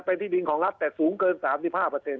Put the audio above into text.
เป็นที่ดินของรัฐแต่สูงเกิน๓๕เปอร์เซ็นต์